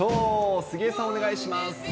杉江さん、お願いします。